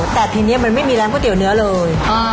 แต่ทีนี้มันไม่มีร้านก๋วเนื้อเลย